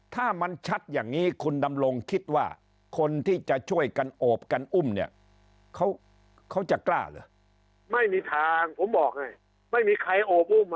ถ้ามันชัดอย่างนี้คุณดำรงคิดว่าคนที่จะช่วยกันโอบกันอุ้มเนี่ยเขาจะกล้าเหรอไม่มีทางผมบอกเลยไม่มีใครโอบอุ้ม